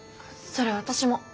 それ私も。